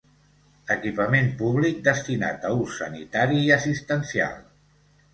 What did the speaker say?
Equipament públic destinat a ús sanitari i assistencial.